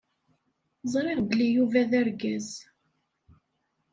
Ẓriɣ belli Yuba d argaz.